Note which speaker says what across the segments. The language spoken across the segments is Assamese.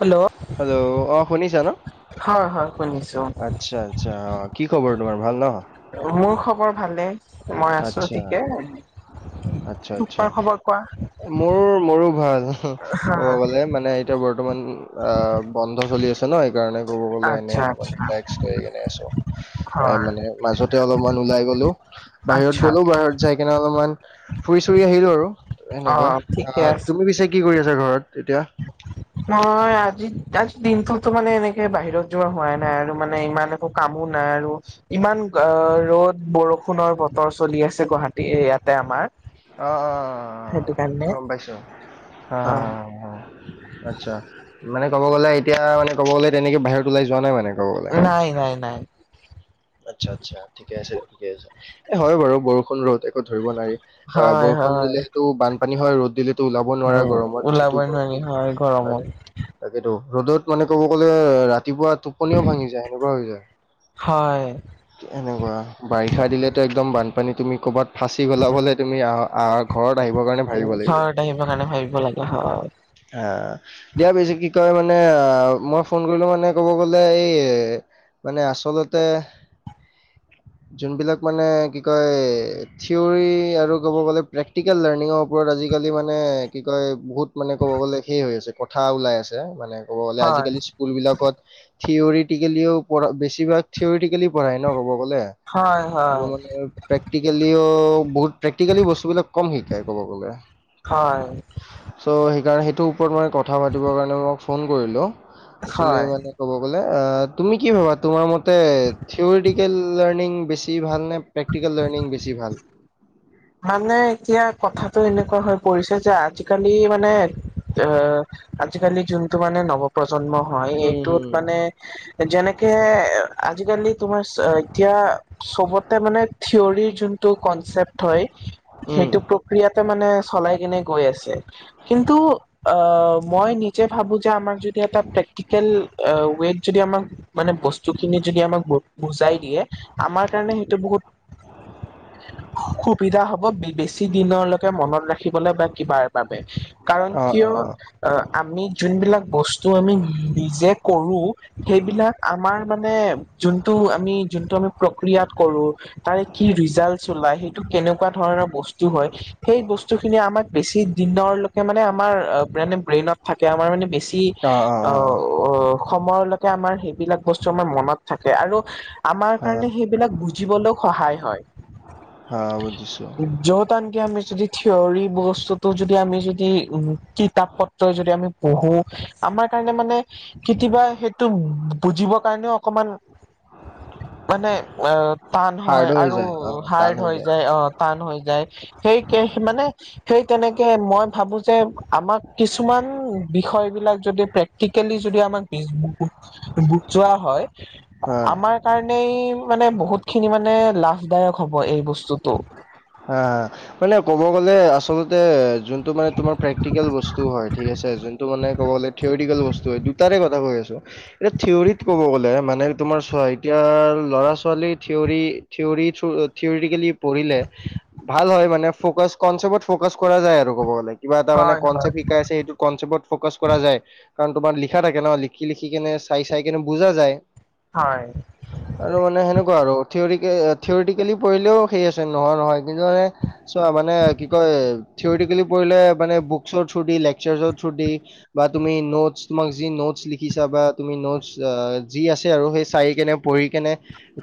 Speaker 1: হেল্ল'
Speaker 2: হেল্ল অ শুনিছা ন
Speaker 1: হয় হয় শুনিছো
Speaker 2: আচ্ছা আচ্ছা অঁ কি খবৰ তোমাৰ ভাল ন
Speaker 1: মোৰ খবৰ ভালে? মই আছো
Speaker 2: আচ্ছা
Speaker 1: ঠিকে তোমাৰ খবৰ কোৱা?
Speaker 2: মোৰো মোৰো ভাল
Speaker 1: হা
Speaker 2: ক'ব গলে মানে এতিয়া বৰ্তমান অ বন্ধ চলি আছে ন সেইকাৰণে কব গলে এনে
Speaker 1: আচ্ছা
Speaker 2: অলপমান
Speaker 1: আচ্ছা
Speaker 2: ৰিলাইছ কৰি পিনে আছোঁ এ
Speaker 1: হয়
Speaker 2: মানে মাজতে অলপমান ওলাই গলো বাহিৰত
Speaker 1: আচ্ছা
Speaker 2: গলো বাহিৰত যাই কিনে অলপমান ফুৰি ফুৰি আহিলো আৰু
Speaker 1: অ
Speaker 2: এনেকুৱা
Speaker 1: ঠিকে
Speaker 2: আহ
Speaker 1: আছে
Speaker 2: তুমি পিছে কি কৰি আছা ঘৰত এতিয়া
Speaker 1: মই আজি আজি দিনটোতো মানে এনেকে বাহিৰত যোৱা হোৱাই নাই আৰু মানে ইমান একো কামো নাই আৰু ইমান ৰ'দ বৰষুণৰ বতৰ চলি আছে গুৱাহাটী ইয়াতে আমাৰ
Speaker 2: অ অ
Speaker 1: সেইটো
Speaker 2: অ
Speaker 1: কাৰণে
Speaker 2: গম পাইছো হা
Speaker 1: অ
Speaker 2: হা হা আচ্ছা মানে ক'ব গ'লে এতিয়া মানে ক'ব গলে তেনেকে বাহিৰত ওলাই যোৱা নাই মানে ক'ব গ'লে।
Speaker 1: নাই' নাই' নাই'।
Speaker 2: আচ্ছা' আচ্ছা ঠিকে আছে ঠিকে আছে এ হয় বাৰু বৰষুণ ৰদ ধৰিব নোৱাৰি অ'
Speaker 1: হয়
Speaker 2: বৰষুণ
Speaker 1: হয়
Speaker 2: দিলেতো বানপানী হয় ৰ'দ দিলে টো ওলাব নোৱাৰে
Speaker 1: উম
Speaker 2: গৰমত যিটো
Speaker 1: ওলাবই
Speaker 2: গৰম
Speaker 1: নোৱাৰি
Speaker 2: হয়, হয়
Speaker 1: গৰমত
Speaker 2: নে'। তাকেইতো ৰ'দত মানে কব গ'লে ৰাতিপুৱা টোপনিও ভাঙি যায় সেনেকুৱা হৈ যায়।
Speaker 1: হয়।
Speaker 2: এনেকুৱা বাৰিষা দিলেতো একদম বানপানী তুমি ক'ৰবাত ফাঁচি গ'লাব হ'লে তুমি আহা আ
Speaker 1: উ' ঘৰত আহিবৰ কাৰণে ভাবিব লাগে হয়।
Speaker 2: আহ। দিয়া বেছি কি কয় মানে মই ফোন কৰিলোঁ মানে ক'ব গ'লে এই মানে আচলতে যোনবিলাক মানে কি কয় থিয়ৰি আৰু ক'ব গ'লে প্ৰেক্টিকেল লাৰ্ণিঙৰ ওপৰত আজিকালি মানে কি কয় বহুত মানে ক'ব গ'লে শেষ হৈ আছে, কথা ওলাই আছে মানে ক'ব গ'লে
Speaker 1: হয়,
Speaker 2: আজিকালি স্কুলবিলাকত থিয়ৰি টিকিলেও পঢ়া বেছিভাগ থিয়ৰি টিকিলি পঢ়াই ন' ক'ব গ'লে
Speaker 1: হয়,
Speaker 2: আৰু
Speaker 1: হয়,
Speaker 2: মানে প্ৰেক্টিকেলিও বহুত প্ৰেক্টিকেলি বস্তুবিলাক কম শিকাই ক'ব গ'লে।
Speaker 1: হয়,
Speaker 2: চ সেইকাৰে সেইটোৰ ওপৰত মই কথা পাতিব কাৰণে মই ফোন কৰিলো একচোৱেলি
Speaker 1: হয়।
Speaker 2: মানে ক'ব গ'লে অ তুমি কি ভাবা তোমাৰ মত তে থিয়ৰিটিকেল লাৰ্ণিং বেছি ভাল নে প্ৰেক্টিকেল লাৰ্ণিং বেছি ভাল?
Speaker 1: মানে এতিয়া কথাটো এনেকুৱা হৈ পৰিছে যে আজিকালি মানে অ আজিকালি যোনটো মানে নৱপ্ৰজন্ম হয় এইটোত
Speaker 2: অঁ,
Speaker 1: মানে, যেনেকে আজিকালি তোমাৰ চ এতিয়া। চবতে মানে থিয়ৰি যোন‌টো কন্চেপত হয় সেইটোতো ক্ৰিয়াতে মানে চলাই কিনে গৈ আছে কিন্তু আ মই নিজে ভাবো যে, আমাৰ যদি এটা প্ৰেক্টিকেল ৱেত যদি আমাক মানে বস্তুখিনি যদি আমাক বুজাই দিয়ে আমাৰ কাৰণে সেইটো বহুত সুবিধা হব বেছি দিনলৈকে মনত ৰাখিবলে বা কিবাৰ বাবে, কাৰণ কিয়
Speaker 2: অঁ, অঁ।
Speaker 1: আমি যোনবিলাক বস্তু আমি নিজে কৰোঁ। সেইবিলাক আমাৰ মানে, যোনটো আমি, যোনটো আমি প্ৰক্ৰিয়াত কৰো। তাৰে কি ৰিজাল্ট ওলাই সেইটো কেনেকুৱা ধৰণৰ বস্তু হয় সেই বস্তু খিনি আমাক বেছি দিনৰলৈকে মানে আমাৰ মানে ব্ৰেইনত থাকে, আমাৰ মানে বেছি
Speaker 2: অঁ, অঁ, অঁ, অঁ।
Speaker 1: অ' সময়লৈকে আমাৰ সেইবিলাক বস্তু আমাৰ মনত থাকে, আৰু আমাৰ
Speaker 2: হা,
Speaker 1: কাৰণে সেই এইবিলাক বুজিবলৈও সহায় হয়।
Speaker 2: হা' বুজিছো।
Speaker 1: য'ত আনকি আমি যদি থিয়ৰী বস্তুটো যদি আমি যদি উ কিতাপ প ত যদি আমি পঢ়োঁ। আমাৰ কাৰণে মানে কেতিয়াবা সেইটো বুজিবৰ কাৰণেও অকমান মানে অ' টান হয়
Speaker 2: হাৰ্ডো হৈ
Speaker 1: আৰু
Speaker 2: যায়, অঁ, টান
Speaker 1: হাৰ্ড
Speaker 2: হৈ
Speaker 1: হয় যায়। অ' টান হৈ যায় সেই -মানে। সেই তেনেকে মই ভাবো যে আমাক কিছুমান বিষয় বিলাক যদি প্ৰেক্টিকেলি যদি আমাক -বজ বোজুৱা হয়।
Speaker 2: হা।
Speaker 1: আমাৰ কাৰণেই মানে বহুত খিনি মানে লাভদায়ক হব এই বস্তুতটো।
Speaker 2: হা' মানে ক'ব গ'লে আচলতে যোনটো মানে তোমাৰ প্ৰে্টিকেল বস্তু হয়, ঠিক আছে যোনটো মানে ক'ব গ'লে থিয়ৰিকেল বস্তু হয় তাৰে কথা কৈ আছো। এতিয়া থিয়ৰীত ক'ব গ'লে মানে তোমাৰোৱা এতিয়া ল'ৰা ছোৱালী থিয়ৰী থিয়ৰী -থ থিয়ৰীকেলি পঢ়িলে ভাল হয় মানে ফকাচ কনচেপটত ফকাচ কৰা যায় আৰু ক'ব গলে। কিবা এটা মানে
Speaker 1: হয় হয়
Speaker 2: কনচেপ্ শিকাই আছে সেইটো কনচেপ্টত ফ'কাচ কৰা যায় কাৰণ তোমাৰ লিখা থাকে ন লিখি লিখি কেনে চাই চাই কেনে বুজা যায়
Speaker 1: হয়
Speaker 2: আৰু মানে সেনেকুৱা আৰু থ থিয়ৰিটিকেলি পঢ়িলেও সেই আছে নহয় নহয় কিন্তু মানে চোৱা মানে কি কয় থিয়টিকেলি পঢ়িলে মানে বুকচৰ থ্ৰু দি লেকচাৰ্চৰ থ্ৰ দি বা তুমি নোটছ তোমাক যি নোটছ লিখিছা বা তুমি নোটচ যি আছে আৰু সেই চাই কেনে পঢ়ি কেনে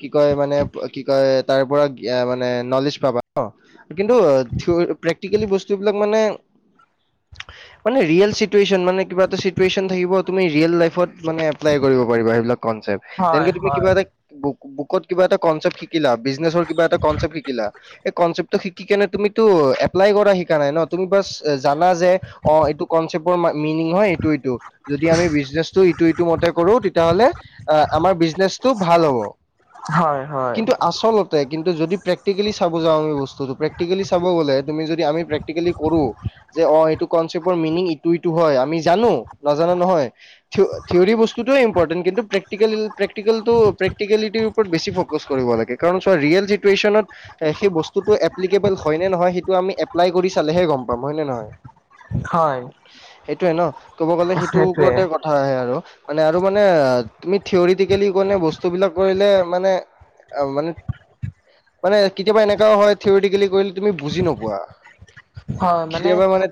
Speaker 2: কি কয় মানে কি কয় তাৰ পৰা মানে নলেজ পাবা ন কিন্তু থ প্ৰেক্টিকেলি বস্তুবিলাক মানে মানে ৰিয়েল চিটোৱেচন মানে কিবা চিটোৱেচন থাকিব তুমি ৰিয়েল লাইফত মানে এপ্লাই কৰিব পাৰিবা সেইবিলাক কনচেপট
Speaker 1: হয়
Speaker 2: যেনেকে তুমি কিবা
Speaker 1: হয়
Speaker 2: এটা বু বুকত কিবা এটা কনচেপ্ট শিকিলা বিজনেচৰ কিবা এটা কচেপ্ট শিকিলা এই কনচেপটো ঠিকেনে তুমিতো এপ্লাই কৰা শিকা নাই ন তুমি বাচ জানা যে অ এইটো কনচেপ্টৰ মিনিং হয় এই ইটো ইটো যদি আমি বিজনেছটো ইটো ইটো মতে কৰো তেতিয়াহলে আহ আমাৰ বিজনেচটো ভাল হ'ব
Speaker 1: হয় হয়
Speaker 2: কিন্তু আচলতে কিন্তু যদি প্ৰেক্টিকেলি চাব যাওঁ আমি বস্তুটো প্ৰেক্টিকেলি চাব গ'লে তুমি যদি আমি প্ৰেক্টিকেলি কৰো যে অ এইটো কনচেপটৰ মিনিং ইটো ইটো হয় আমি জানো নাজানা নহয় থ থিয়ৰী বস্তুটোয়ে ইম্পৰ্টেণ্ট কিন্তু প্ৰেক্টিকেল প্ৰেক্টিকেলটো প্ৰেকটিকেলিটিৰ ওপৰত বেছি ফ'কাচ কৰিব লাগে। চ ৰিয়েল চিটুৱেশচনত সেই বস্তুটো এপ্লিকেবল হয় নে নহয় সেইটো আমি এপ্লাই কৰি চালেহে গম পাম হয় নে নহয়
Speaker 1: হয়।
Speaker 2: সেইটোয়ে ন ক'ব গ'লে সেইটো
Speaker 1: সেইটোৱে
Speaker 2: ওপৰতে ক হয় আৰু মানে আৰু মানে তুমি থিয়ৰিটিকেলি কনে বস্তুবিলাক কৰিলে মানে অ মানে মানে কেতিয়াবা এনেকাও হয় থিয়ৰিটিকেলি কৰিলে তুমি বুজি নোপোৱা কেতিয়াবা মানে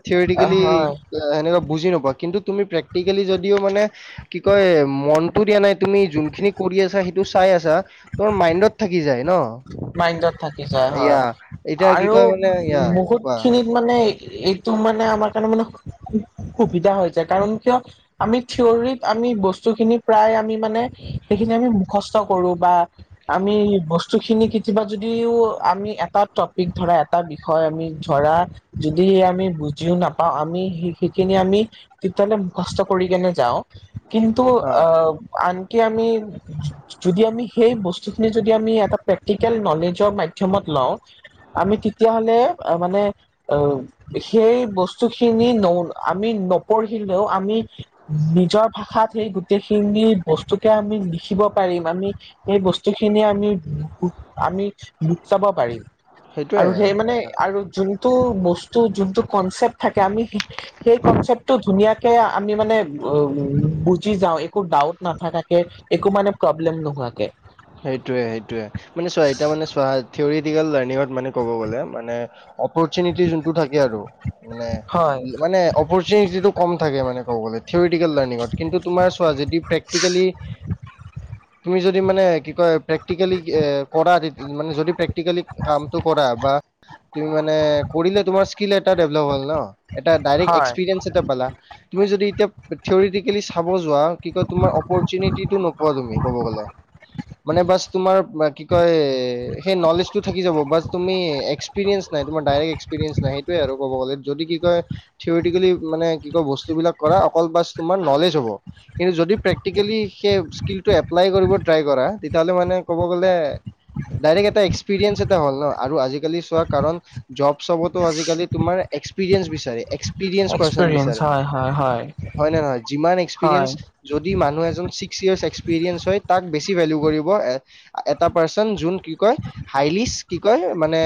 Speaker 1: অ
Speaker 2: থিওৰিতিকেলি এ
Speaker 1: হয়
Speaker 2: এ সেনেকা বুজি নোপোৱা কিন্তু তুমি প্ৰেক্টিকেলি যদিও মানে আহ আহ সেয়া কি কয় মনটো দিয়া নাই তুমি যোনখিনি কৰি আছা সেইটো চাই আছা তোমাৰ মাইণ্ডত থাকি যায় ন
Speaker 1: মাইণ্ডত থাকি যায়
Speaker 2: ইয়া
Speaker 1: হয়
Speaker 2: এতিয়া কি
Speaker 1: আৰু
Speaker 2: কয় মানে ইয়া
Speaker 1: বহুত
Speaker 2: কোৱা
Speaker 1: খিনিত মানে এইটো মানে আমাৰ কাৰণে মানে সু সুবিধা হৈ যায় কাৰণ কিয়? আমি থিয়ৰিত আমি বস্তুখিনি প্ৰায় আমি মানে ই ই হি সেইখিনি আমি মুখস্থ কৰো বা আমি বস্তু খিনিক কিবা যদিও আমি এটা টপিক ধৰা এটা বিষয় আমি ধৰা যদি সে আমি বুজিও নাপাওঁ আমি শিকিখিনি আমি তেতিয়াহ'লে মুখস্থ কৰি কেনে যাওঁ কিন্তু
Speaker 2: অ
Speaker 1: আহ আন কে আমি য য যদি আমি সেই বস্তুখিনি যদি আমি এটা পেক প্ৰেক্টিকেল নলেজৰ মাধ্যমত লওঁ আমি তেতিয়াহলে আহ মানে আ আ ও ও সেই বস্তুখিনি ন আমি নপঢ়িলেও আমি নিজৰ ভাষাত সেই গোটেইখিনি বস্তুকে আমি লিখিব পাৰিম আমি এই বস্তু খিনিই আমি লু কু আমি লুক চাব পাৰিম আৰু সেই মানে আৰু যোনটো বস্তু যোনটো কনচেপ্ট থাকে আমি শিক সেই কনচেপ্টটো ধুনীয়াকে আ আমি মানে ব উ উ উ উ বুজি যাওঁ একো ডাউট নাথাকাকে একো মানে প্ৰব্লেম নোহোৱাকে
Speaker 2: সেইটোৱে সেইটোৱে এহ্ মানে চোৱা এতিয়া মানে চোৱা থিয়ৰিটিকেল লাৰ্ণিঙত মানে কব গলে মানে অপাৰচুনিটি যোনটো থাকে আৰু মানে
Speaker 1: হয়
Speaker 2: ই মানে আ অপৰচুনিটিটো কম থাকে মানে ক'ব গ'লে থিয়ৰিটিকেল লাৰ্ণিঙত কিন্তু তোমাৰ চোৱা যদি প্ৰেক্টিকেলি এ হে হে তুমি যদি মানে কি কয় প্ৰেক্টিকেলি ই এ এ এ কৰা যে মানে যদি প্ৰেক্টিকেলি কামটো কৰা বা তুমি মানে কৰিলে তোমাৰ স্কিল এটা ডেভলপ হ'ল ন। এটা ডাইৰেক্ট
Speaker 1: হয়
Speaker 2: এক্সপেৰিয়েন্স এটা বালা তুমি যদি এতিয়া থিয়ৰিটিকেলি চাব যোৱা কি কয় তোমাৰ অপৰচুনিটিটো নোপোৱা তুমি ক'ব গ'লে। মানে বাছ তোমাৰ কি কই এ এ এ এ এ সেই নলেজটো থাকি যাব বা তুমি ই ই ই এক এক্সপেৰিয়েন্স নাই তোমাৰ ডাইৰেক্ট এক্সপেৰিয়েন্স নাই সেইটোৱে আৰু ক'ব গ'লে যদি কি কয় থিয়ৰিটিকেলি মানে কি কয় বস্তুবিলাক কৰা অকল বাছ তোমাৰ নলেজ হ'ব। কিন্তু যদি প্ৰেক্টিকেলি সেই স্কিলটো এপ্লাই কৰিব ট্ৰাই কৰা। তেতিয়াহ'লে মানে ক'ব গ'লে ডাইৰেক্ট এটা এক্সপেৰিয়েন্স এটা হ'ল ন আৰু আজিকালি চোৱাৰ কাৰণ জব-চবতো আজিকালি তোমাৰ এক্সপেৰিয়েন্স বিচাৰে এক্স পিৰিয়েন্স পাৰ্চন বিচাৰে হয় নে নহয় যিমান
Speaker 1: হয়
Speaker 2: এক্সপেৰিয়েন্স যদি মানুহ এজন ছিক্স ইয়াৰ্চ এক্সপিৰিয়েন্স হয় তাক বেছি ভেলু কৰিব এট এটা পাৰ্চন যোন কি কয়? হাইলিস কি কয় মানে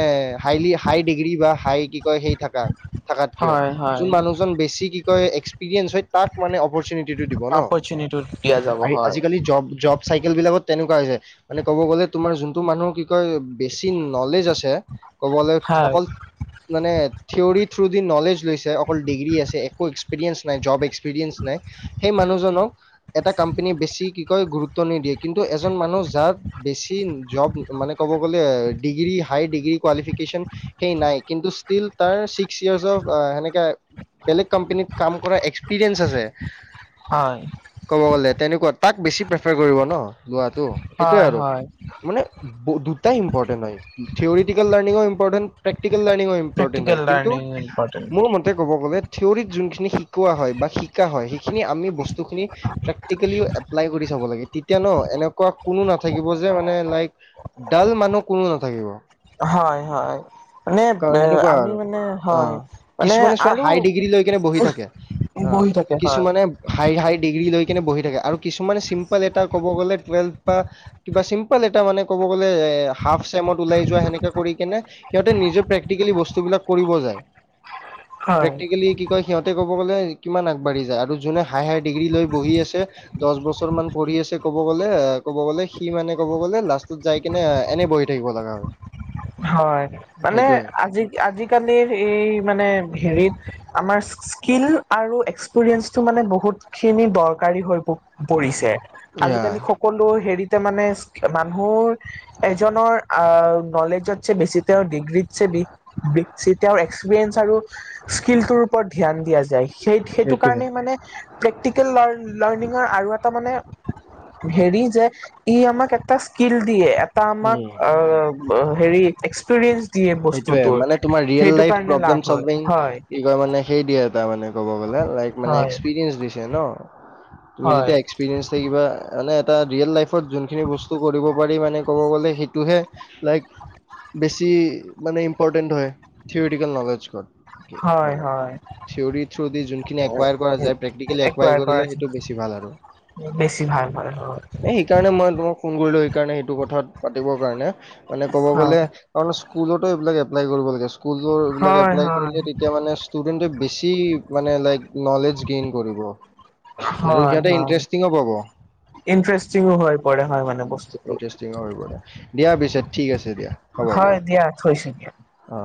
Speaker 2: হাইলি হাই ডিগ্ৰী বা হাই কি কয় সেই থাকা। থাকাত কিয়
Speaker 1: হয়
Speaker 2: যোন
Speaker 1: হয়
Speaker 2: মানুহজন বেছি কি কয় এক্সপেৰিয়েন্স হয় তাক মানে অপাৰচুনিটি সেইটোৰ দিব ন ই
Speaker 1: দিয়া যাব
Speaker 2: আহ্ আই
Speaker 1: হয়
Speaker 2: আজিকালি জব জব চাইকেল বিলাক তেনেকুৱা হৈ যায় মানে ক'ব গ'লে তোমাৰ যোনটো মানুহৰ কি কয় বেছি নলেজ আছে। ক'বলে
Speaker 1: হয়
Speaker 2: অকল মানে থিয়ৰি থ্ৰু দি নলেজ লৈছে অকল ডিগ্ৰী আছে একো এক্সপেৰিয়েন্স নাই জব এক্সপেৰিয়েন্স নাই। সেই মানুহজনক এটা কোম্পানীয়ে বেছি কি কয় গুৰুত্ব নিদিয়ে। কিন্তু এজন মানুহ যাৰ বেছি জব উ মানে ক'ব গ'লে ডিগ্ৰী হাই ডিগ্ৰী কোৱালিফিকেচন। সেই নাই কিন্তু ষ্টিল তাৰ ছিক্স ইয়াৰ্চ অফ অ আ আ সেনেকে। বেলেগ কম্পেনীত কাম কৰা এক্সপিৰিয়েঞ্চ আছে
Speaker 1: হয়
Speaker 2: ক'ব গ'লে তেনেকুৱা তাক বেছি প্ৰেফাৰ কৰিব ন লোৱাটো সেইটোৱে
Speaker 1: হয়
Speaker 2: আৰু।
Speaker 1: হয়
Speaker 2: মান দুটাই ইম্পৰ্টেণ্ট হয় থিয়ৰিটিকেল লাৰ্নিংও ইম্পৰ্টেণ্ট প্ৰেক্টিকেল লাৰ্নিংও ইম্- ইম্পটেণ্ট
Speaker 1: প্ৰেক্টিকেল
Speaker 2: হয় কিন্তু
Speaker 1: লাৰ্ণিং ইম্পৰ্টেণ্ট
Speaker 2: মোৰ মতে- তে ক'ব গ'লে থিয়ৰিত যোনখিনি শিকোৱা হয় বা শিকা হয় সেইখিনি আমি বস্তু- বস্তু খিনি প্ৰেক্টিকেলি এপ্লাই কৰি চাব লাগে তেতিয়া ন এনেকুৱা কোনো নাথাকিব যে মানে লাইক ডাল মানুহ কোনো নাথাকিব।
Speaker 1: হয় হয় মানে
Speaker 2: কাৰণ
Speaker 1: বে
Speaker 2: সেনেকুৱা
Speaker 1: আমি
Speaker 2: আৰু
Speaker 1: মানে
Speaker 2: অ
Speaker 1: হয় মানে
Speaker 2: কিছুমানে চোৱা
Speaker 1: আৰু
Speaker 2: হাই ডিগ্ৰী লৈ কেনে বহি থাকে অ
Speaker 1: বহি থাকে হয়
Speaker 2: কিছুমানে হাই হাই ডিগ্ৰী লৈ কিনে বহি থাকে আৰু কিছুমানে চিম্পল এটা ক'ব গ'লে টুৱেলভ বা- কিবা চিম্পল এটা মানে ক'ব গ'লে এ হাফ চেমত ওলাই যোৱা সেনেকে কৰি কিনে- সিহঁতে নিজে প্ৰেক্টিকেলি বস্তুবিলাক কৰিব যায়
Speaker 1: হয়
Speaker 2: প্ৰেক্টিকেলি কি- ক সিহঁতে ক'ব গ'লে কিমান আগবাঢ়ি যায় আৰু যোনে হায় হায় ডিগ্ৰী লৈ বহি আছে দহ বছৰ মান পঢ়ি আছে ক'ব- গ'লে ক'ব গ'লে সি মানে ক'ব গ'লে লাষ্টত যাই কিনে এনে বহি থাকিব লগা হয়।
Speaker 1: হয় মানে
Speaker 2: সেইটোয়ে
Speaker 1: আজি আজিকালিৰ এই মানে হেৰিত আমাৰ- স্কিল আৰু এক্সপিৰিয়েঞ্চটো মানে বহুত খিনি দৰকাৰী হৈ প পৰিছে আজিকালি সক- কলোৰ হেৰিতে মানে মানুহৰ এজনৰ আহ নলেজত বেছিতে তেওঁৰ ডিগ্ৰীত চেদি [unintelligible] তেওঁৰ এক্সপিৰিয়েঞ্চ আৰু স্কিলটোৰ ওপৰত ধ্যান দিয়া যায় সেই সেইটো
Speaker 2: সেইটোয়ে
Speaker 1: কাৰণেই মানে প্ৰেক্টিকেল লাৰ লাৰ্ণিঙৰ আৰু এটা মানে হেৰি যে ই আমাক এটা স্কিল দিয়ে এটা আমাক
Speaker 2: উম
Speaker 1: আ ব হেৰি এক্সপিৰিয়েঞ্চ দিয়ে
Speaker 2: সেইটোৱে
Speaker 1: বস্তুটোৰ
Speaker 2: মানে তোমাৰ ৰিয়েল
Speaker 1: সেইটো
Speaker 2: লাইফ
Speaker 1: কাৰণে লাভ
Speaker 2: প্ৰব্লেম
Speaker 1: হয়
Speaker 2: চলভিং
Speaker 1: হয়
Speaker 2: কি কয় মানে সেই দিয়ে এটা মানে ক'ব গলে লাইক মানে
Speaker 1: হয়
Speaker 2: এক্সপিৰিয়েঞ্চ দিছে ন তুমি
Speaker 1: হয়
Speaker 2: যেতিয়া এক্সপিৰিয়েঞ্চ থাকিবা মানে এটা ৰিয়েল লাইফ- ফত যোনখিনি বস্তু কৰিব পাৰি মানে ক'ব গ'লে সেইটোহে লাইক বেছি মানে ইম্পৰ্টেণ্ট হয় থিঅৰিটিকেল নলেজকত কি
Speaker 1: হয়
Speaker 2: মানে
Speaker 1: হয়
Speaker 2: থিয়ৰী থ্ৰ দি যোনখিন একোৱাইৰ কৰা যাই প্ৰেক্টিকেলি এক- কোৱাই
Speaker 1: একুৱাৰ কৰা
Speaker 2: কৰিলে সেইটো বেছি ভাল আৰু।
Speaker 1: বেছি ভাল হয় অ
Speaker 2: এ সেইকাৰণে মই তোমাক ফোন কৰিলো সেইকাৰণে সেইটো কথাত পাতিব কাৰণে মানে ক'ব গ'লে কাৰণ স্কুলতে এইবিলাক এপ্লাই কৰিব লাগে স্কুলৰ এইবিলাক
Speaker 1: হয়
Speaker 2: এপ্লাই
Speaker 1: হয়
Speaker 2: কৰিলে তেত- তিয়া মানে ষ্টুডেন্টে বেছি মানে লাইক নলেজ গেইন কৰিব।
Speaker 1: হয়
Speaker 2: সিহঁতে
Speaker 1: হয়
Speaker 2: ইণ্টাৰেষ্টিংও পাব
Speaker 1: ইণ্টাৰেষ্টিঙো হৈ পৰে হয় মানে বস্তুটো
Speaker 2: [unintelligible] দিয়া পিছে ঠিক আছে দিয়া
Speaker 1: হয় দিয়া থৈছোঁ দিয়া
Speaker 2: অ